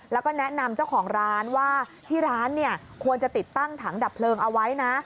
แล้วก็แนะนำเจ้าของร้านว่าที่ร้านเนี่ยควรจะติดตั้งถังดับเพลิงเอาไว้นะ